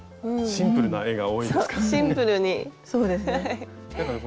シンプルな絵が多いですから。